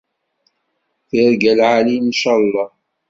Tirga lɛali ncalleh